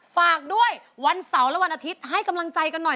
ฝากด้วยวันเสาร์และวันอาทิตย์ให้กำลังใจกันหน่อย